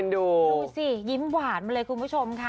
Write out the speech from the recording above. ดูสิยิ้มหวานมาเลยคุณผู้ชมค่ะ